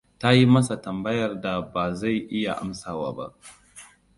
Ta yi masa tambayar da ba zai iya amsawa ba.